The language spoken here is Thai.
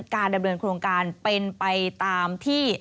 การดำเนินโครงการเป็นไปตามที่